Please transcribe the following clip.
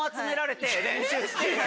練習して。